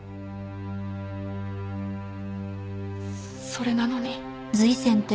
それなのに。